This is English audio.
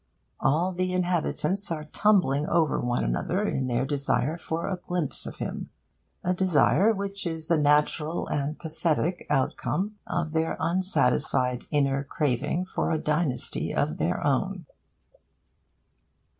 all the inhabitants are tumbling over one another in their desire for a glimpse of him a desire which is the natural and pathetic outcome of their unsatisfied inner craving for a dynasty of their own.